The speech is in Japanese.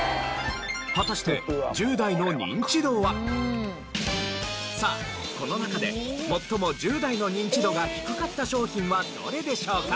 果たしてさあこの中で最も１０代のニンチドが低かった商品はどれでしょうか？